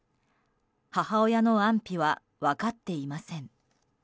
母親の安否は分かっていません。